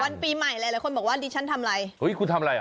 วันปีใหม่หลายคนบอกว่าดิฉันทำอะไรคุณทำอะไร